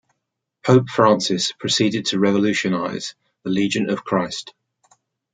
Pope Francis proceeded to revolutionize the Legion of Christ.